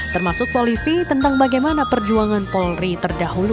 termasuk polisi tentang bagaimana perjuangan polri terdahulu